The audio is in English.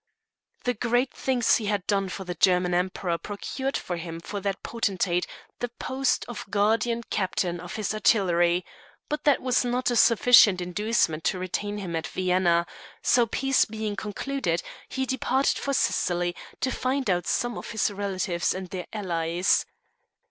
The great things he had done for the German Emperor procured for him from that potentate the post of guardian captain of his artillery, but that was not a sufficient inducement to retain him at Vienna; so, peace being concluded, he departed for Sicily, to find out some of his relatives and their allies.